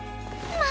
まあ！